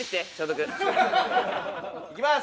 行きます！